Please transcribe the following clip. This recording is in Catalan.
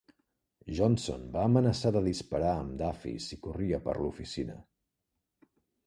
Johnson va amenaçar de disparar amb Duffy si corria per l'oficina.